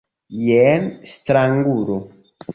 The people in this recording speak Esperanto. Jen strangulo.